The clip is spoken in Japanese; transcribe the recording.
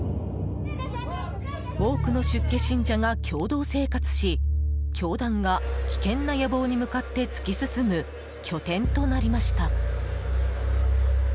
多くの出家信者が共同生活し教団が危険な野望に向かって突き進む拠点となりました。